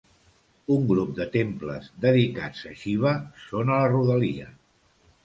Un grup de temples dedicats a Xiva són a la rodalia.